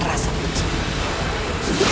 jangan merasakan rasa bencana